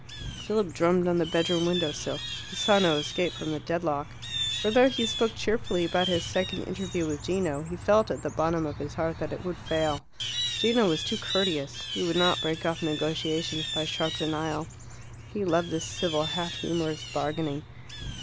Philip drummed on the bedroom window sill. He saw no escape from the deadlock. For though he spoke cheerfully about his second interview with Gino, he felt at the bottom of his heart that it would fail. Gino was too courteous: he would not break off negotiations by sharp denial; he loved this civil, half humorous bargaining.